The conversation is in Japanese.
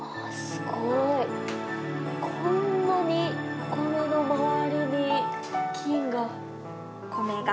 すごい、こんなにお米の周りに菌が。